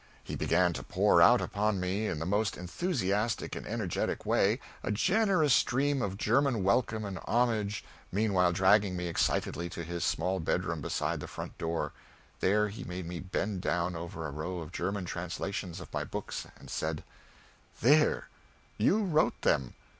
He began to pour out upon me in the most enthusiastic and energetic way a generous stream of German welcome and homage, meanwhile dragging me excitedly to his small bedroom beside the front door; there he made me bend down over a row of German translations of my books and said, "There you wrote them!